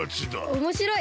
おもしろい！